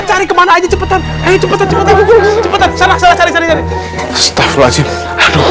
cari kemana aja cepetan cepetan cepetan cepetan